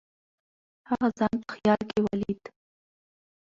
هغه ځان په خیال کې ولید.